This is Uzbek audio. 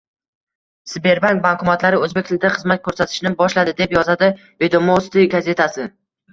Sberbank bankomatlari o'zbek tilida xizmat ko'rsatishni boshladi, deb yozadi “Vedomosti” gazetasi